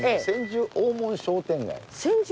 千住大門商店街です。